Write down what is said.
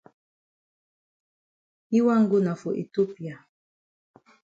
Yi wan go na for Ethiopia.